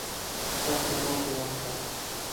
سخته ماته ورکړه.